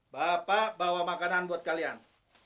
bapak bawa makanan buat kalian